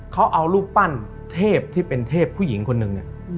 เขาเอารูปปั้นเทพที่เป็นเทพผู้หญิงคนหนึ่งเนี่ย